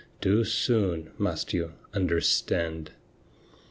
Too soon must you understand.